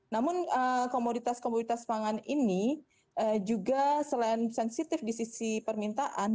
namun komoditas komoditas pangan ini juga selain sensitif di sisi permintaan